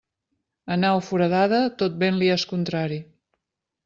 A nau foradada, tot vent li és contrari.